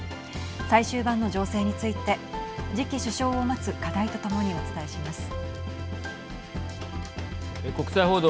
最終盤の情勢について次期首相を待つ課題とともにお伝えします。